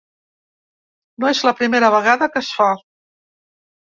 No és la primera vegada que es fa.